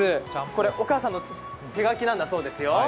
これ、お母さんの手書きなんだそうですよ。